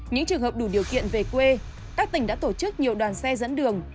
những trường hợp đủ điều kiện về quê các tỉnh đã tổ chức nhiều đoàn xe dẫn đường